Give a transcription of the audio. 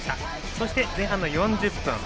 そして前半４０分。